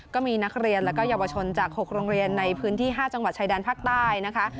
ก็มีนักเรียนและเยาวชนจาก๖โรงเรียนในพื้นที่๕จังหวัดชายแดนภาคใต้นะคะ